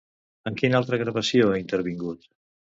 I en quina altra gravació ha intervingut?